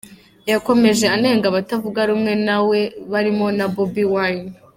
Yakomeje anenga abatavuga rumwe nawe barimo na Bobi Wine.